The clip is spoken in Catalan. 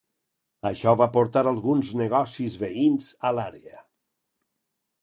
Això va portar alguns negocis veïns a l'àrea.